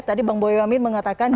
tadi bang boyomin mengatakan